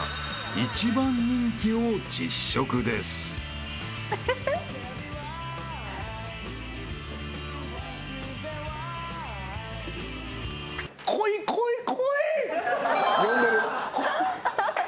［一番人気を実食です］呼んでる。